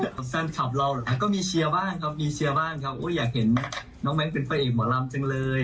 แต่แฟนคลับเราเหรอก็มีเชียร์บ้างครับมีเชียร์บ้างครับอยากเห็นน้องแก๊งเป็นพระเอกหมอลำจังเลย